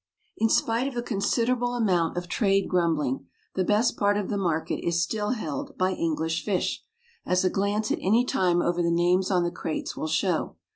_ In spite of a considerable amount of trade grumbling, the best part of the market is still held by English fish, as a glance at any time over the names on the crates will show.